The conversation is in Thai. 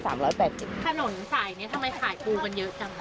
ถ้าหน่วงถ่ายแบบนี้ทำไมถ่ายปูมันเยอะจัง